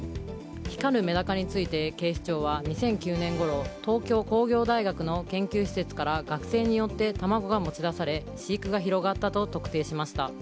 光るメダカについて警視庁は２００９年ごろ東京工業大学の研究施設から学生によって卵が持ち出され飼育が広がったと特定しました。